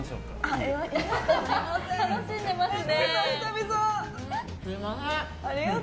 楽しんでますね。